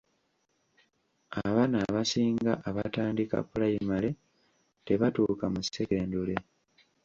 Abaana abasinga abatandika pulayimale tebatuuka mu sekendule.